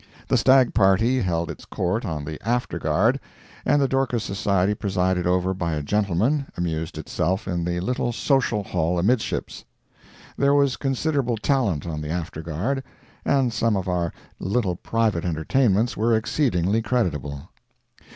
The stag party held its court on the after guard, and the Dorcas Society, presided over by a gentleman, amused itself in the little social hall amidships. There was considerable talent on the after guard, and some of our little private entertainments were exceedingly creditable.